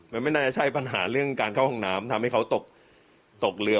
มันไม่น่าจะใช่ปัญหาเรื่องการเข้าห้องน้ำทำให้เขาตกตกเรือ